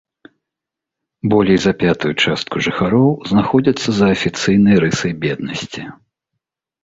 Болей за пятую частку жыхароў знаходзяцца за афіцыйнай рысай беднасці.